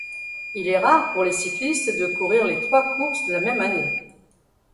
Il est rare pour les cyclistes de courir les trois courses la même année.